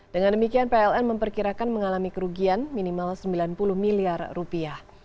dengan demikian pln memperkirakan mengalami kerugian minimal sembilan puluh miliar rupiah